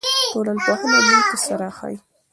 ټولنپوهنه موږ ته څه راښيي؟